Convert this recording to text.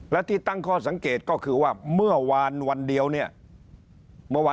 และที่ตั้งข้อสังเกตก็คือว่าเมื่อวานวันเดียวเนี่ย